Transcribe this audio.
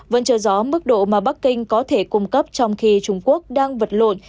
vẫn chờ gió mức độ mà bắc kinh có thể cung cấp trong khi trung quốc đang vật lộn